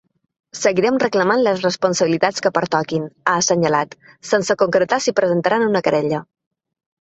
Seguirem reclamant les responsabilitats que pertoquin, ha assenyalat, sense concretar si presentaran una querella.